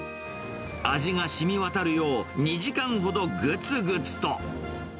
味がしみわたるよう、２時間ほどぐつぐつと。